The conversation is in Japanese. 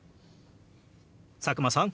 佐久間さん